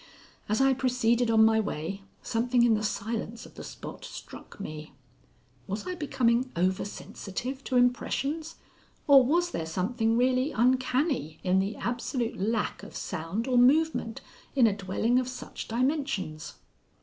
As I proceeded on my way, something in the silence of the spot struck me. Was I becoming over sensitive to impressions or was there something really uncanny in the absolute lack of sound or movement in a dwelling of such dimensions?